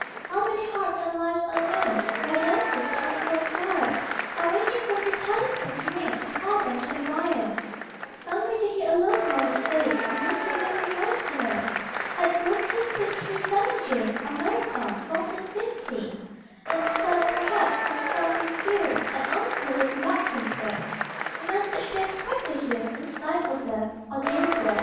How many hearts and lives unknown, Rare damsels pining for a squire, Are waiting for the telephone To ring, and call them to the wire. Some wait to hear a loved voice say The news they will rejoice to know At Rome 2637 J Or Marathon 1450! And some, perhaps, are stung with fear And answer with reluctant tread: The message they expect to hear Means life or death or daily bread.